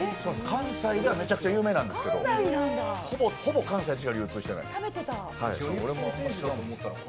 関西ではめちゃくちゃ有名なんですけど、ほぼ関西でしか流通していない。